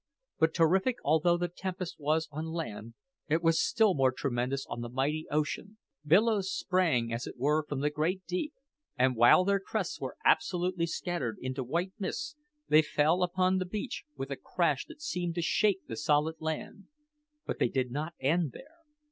But terrific although the tempest was on land, it was still more tremendous on the mighty ocean. Billows sprang, as it were, from the great deep, and while their crests were absolutely scattered into white mist, they fell upon the beach with a crash that seemed to shake the solid land. But they did not end there.